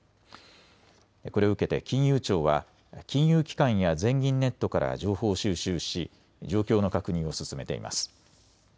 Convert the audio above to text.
これを受けて金融庁は金融機関や全銀ネットから情報を収集し状況の確認を進めています。